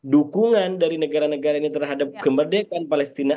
dukungan dari negara negara ini terhadap kemerdekaan palestina